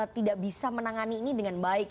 tidak bisa menangani ini dengan baik